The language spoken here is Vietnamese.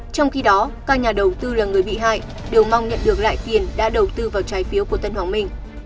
trong khi đó các nhà đầu tư là người bị hại đều mong nhận được lại tiền đã đầu tư vào trái phiếu của tân hoàng minh